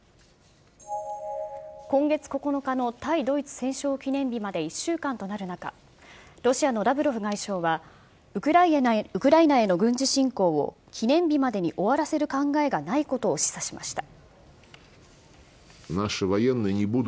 今月９日の対ドイツ戦勝記念日まで１週間となる中、ロシアのラブロフ外相は、ウクライナへの軍事侵攻を記念日までに終わらせる考えがないことを示唆しました。